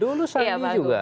dulu saat ini juga